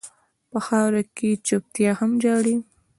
په خاوره کې چپتيا هم ژاړي.